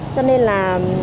cho nên là